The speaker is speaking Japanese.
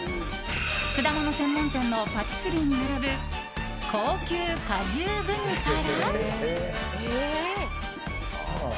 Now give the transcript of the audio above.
果物専門店のパティスリーに並ぶ高級果汁グミから。